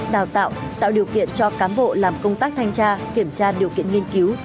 đào tạo tạo điều kiện cho cán bộ làm công tác thanh tra kiểm tra điều kiện nghiên cứu